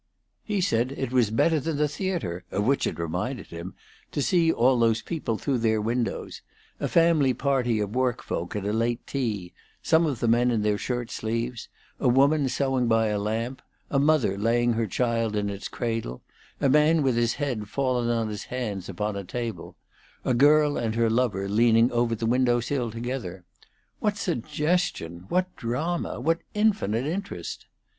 He said it was better than the theatre, of which it reminded him, to see those people through their windows: a family party of work folk at a late tea, some of the men in their shirt sleeves; a woman sewing by a lamp; a mother laying her child in its cradle; a man with his head fallen on his hands upon a table; a girl and her lover leaning over the window sill together. What suggestion! what drama? what infinite interest!